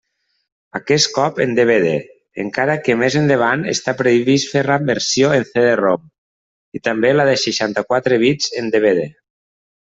Aquest cop en DVD, encara que més endavant està previst fer la versió en CD-ROM i també la de seixanta-quatre bits en DVD.